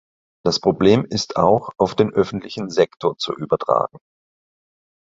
Das Problem ist auch auf den öffentlichen Sektor zu übertragen.